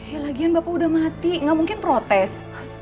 ya lagian bapak udah mati nggak mungkin protes